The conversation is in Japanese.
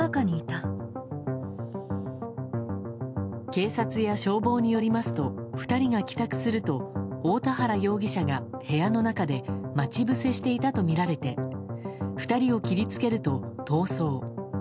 警察や消防によりますと２人が帰宅すると大田原容疑者が、部屋の中で待ち伏せしていたとみられて２人を切り付けると逃走。